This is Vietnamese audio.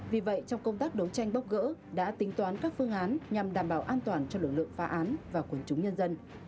vì vậy trong công tác đấu tranh bóc gỡ đã tính toán các phương án nhằm đảm bảo an toàn cho lực lượng phá án và quần chúng nhân dân